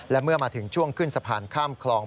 และเมื่อมาถึงช่วงขึ้นสะพานข้ามคลอง